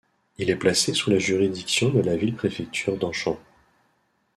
Il est placé sous la juridiction de la ville-préfecture d'Anshan.